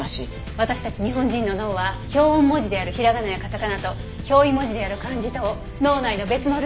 私たち日本人の脳は表音文字であるひらがなやカタカナと表意文字である漢字とを脳内の別のルートで処理する。